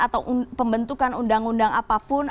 atau pembentukan undang undang apapun